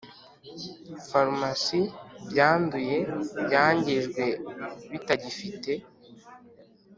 Farumasi byanduye byangijwe bitagifite